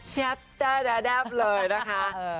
แช๊ปต้าต้าด้าปเลยนะคะ